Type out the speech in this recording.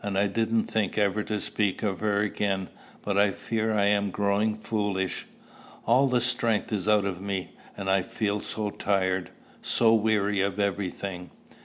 I didn't think ever to speak of her again, but I fear I am growing foolish. All the strength is out of me; and I feel so tired, so weary of every thing!"